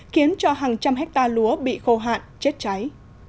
khiến cho hàng trăm hectare lúa bị khô hạn chết cháy